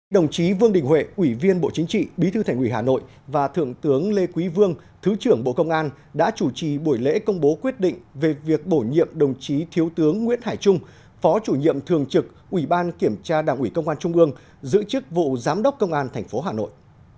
đồng chí vương đình huệ ủy viên bộ chính trị bí thư thành ủy hà nội và thượng tướng lê quý vương thứ trưởng bộ công an đã chủ trì buổi lễ công bố quyết định về việc bổ nhiệm đồng chí thiếu tướng nguyễn hải trung phó chủ nhiệm thường trực ủy ban kiểm tra đảng ủy công an trung ương giữ chức vụ giám đốc công an tp hà nội